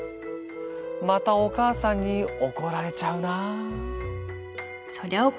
またお母さんに怒られちゃうな」。